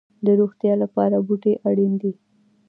د روغتیا لپاره بوټي اړین دي